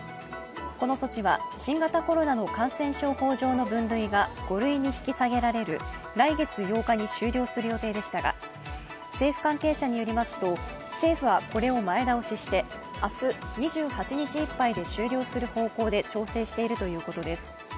この措置は、新型コロナの感染症法上の分類が５類に引き下げられる来月８日に終了する予定でしたが政府関係者によりますと、政府はこれを前倒しして明日２８日いっぱいで終了する方向で調整しているということです。